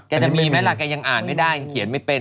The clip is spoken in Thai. จะมีไหมล่ะแกยังอ่านไม่ได้เขียนไม่เป็น